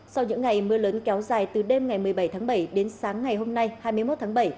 sau những ngày mưa lớn kéo dài từ đêm ngày một mươi bảy tháng bảy đến sáng ngày hôm nay hai mươi một tháng bảy